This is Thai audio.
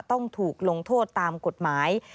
ต้องถูกลงโทษตามกฎหมาย